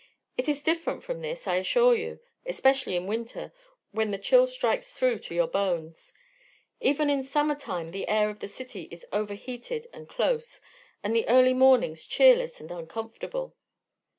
It is different from this, I assure you; especially in winter, when the chill strikes through to your bones. Even in summer time the air of the city is overheated and close, and the early mornings cheerless and uncomfortable.